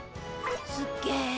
すっげえ。